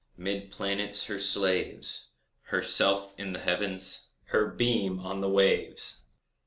'Mid planets her slaves, Herself in the Heavens, Her beam on the waves.